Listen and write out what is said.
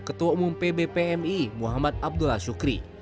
ketua umum pb pmi muhammad abdullah syukri